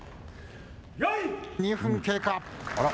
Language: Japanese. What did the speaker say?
２分経過。